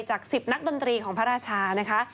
จาก๑๐นักดนตรีของพระราชานะคะ